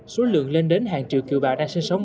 số lượng lên đến hàng triệu kiều bào đang sinh sống